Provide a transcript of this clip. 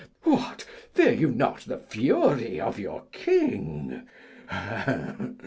_ What, fear you not the fury of your king?